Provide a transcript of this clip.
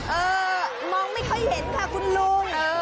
เออมองไม่ค่อยเห็นค่ะคุณลุง